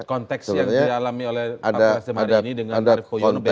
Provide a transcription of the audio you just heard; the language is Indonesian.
konteks yang dialami oleh pak pak sdm ini dengan arief waryuwono beda